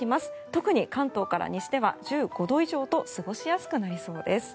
特に関東から西では１５度以上と過ごしやすくなりそうです。